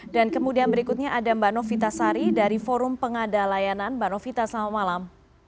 dan kemudian berikutnya ada mbak novita sari dari forum pengadalayanan mbak novita selamat malam